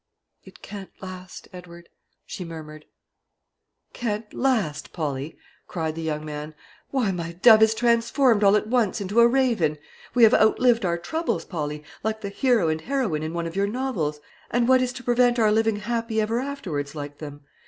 "It can't last, Edward," she murmured. "Can't last, Polly!" cried the young man; "why, my dove is transformed all at once into a raven. We have outlived our troubles, Polly, like the hero and heroine in one of your novels; and what is to prevent our living happy ever afterwards, like them?